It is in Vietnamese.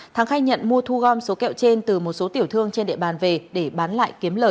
thắng khai nhận mua thu gom số kẹo trên từ một số tiểu thương trên địa bàn về để bán lại kiếm lời